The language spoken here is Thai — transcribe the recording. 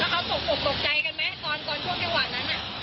เขาตกใจไหมกอนที่ว่านั้น